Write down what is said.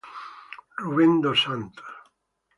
Rubén dos Santos